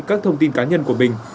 các thông tin cá nhân của mình